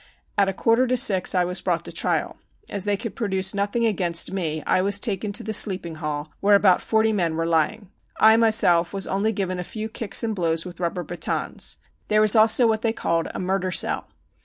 At a quarter to six I was brought to trial. As they could produce nothing against me, I was taken to the sleeping hall where about forty men were lying. I myself, was only given a few ki$ks and blows wi£h rubber batons. There was also what they called a murder cell.